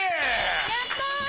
やった！